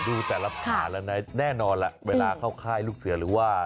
ดูแต่ละข่าวแล้วนะแน่นอนล่ะเวลาเข้าค่ายลูกเสือหรือว่า